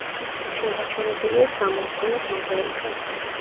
შენარჩუნებულია სამლოცველოს მოზაიკა.